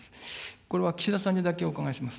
これは岸田さんにだけお伺いします。